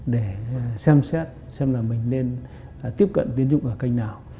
để xem xét xem là mình nên tiếp cận tín dụng ở cạnh nào